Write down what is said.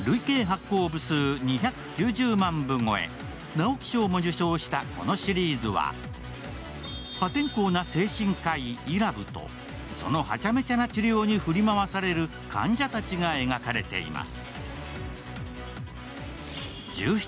直木賞も受賞したこのシリーズは、破天荒な精神科医・伊良部とそのはちゃめちゃな治療に振り回される患者たちが描かれています。